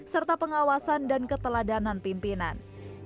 serta pengawasan dan keteladanan pimpinan